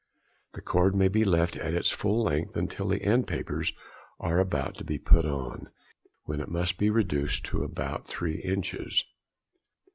The cord may be left at its full length until the end papers are about to be put on, when it must be reduced to about three inches.